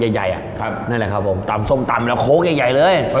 ใหญ่ใหญ่อ่ะครับนั่นแหละครับผมตำส้มตำแล้วโค้กใหญ่ใหญ่เลย